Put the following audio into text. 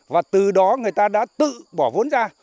và từ đó người ta đã tự bỏ vốn ra